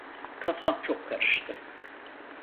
Kafam çok karıştı.